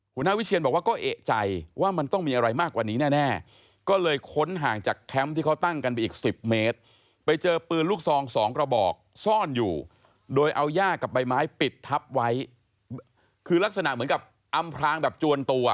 หัวหน้าวิเชียนบอกว่าก็เอกใจว่ามันต้องมีอะไรมากกว่านี้แน่ก็เลยค้นห่างจากแคมป์ที่เขาตั้งกันไปอีก๑๐เมตรไปเจอปืนลูกซองสองกระบอกซ่อนอยู่โดยเอาย่ากับใบไม้ปิดทับไว้คือลักษณะเหมือนกับอำพลางแบบจวนตัว